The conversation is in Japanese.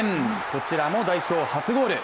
こちらも代表初ゴール。